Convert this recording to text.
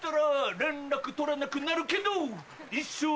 連絡取らなくなるけど！